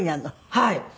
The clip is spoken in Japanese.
はい。